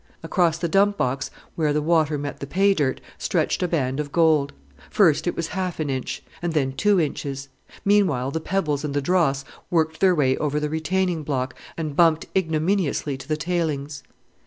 Across the dump box where the water met the pay dirt stretched a band of gold. First it was half an inch, and then two inches. Meanwhile the pebbles and the dross worked their way over the retaining block and bumped ignominiously to the tailings.